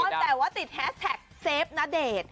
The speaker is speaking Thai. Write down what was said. แต่ว่าติดแฮสแท็กเซฟณเดชน์